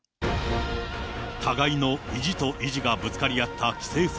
互いの意地と意地がぶつかり合った棋聖戦